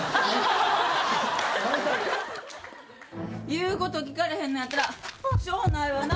「言うこと聞かれへんのやったらしょうないわな。